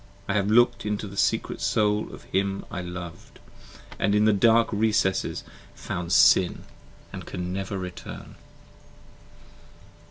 I have looked into the secret Soul of him I loved 15 And in the dark recesses found Sin & can never return.